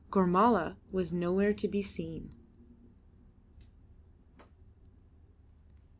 Gormala was nowhere to be seen.